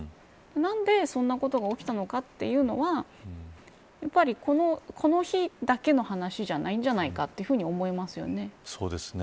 なんでそんなことが起きたのかというのはこの日だけの話じゃないんじゃないかと思いますよね。